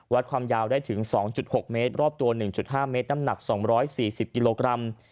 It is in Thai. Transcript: ความยาวได้ถึง๒๖เมตรรอบตัว๑๕เมตรน้ำหนัก๒๔๐กิโลกรัม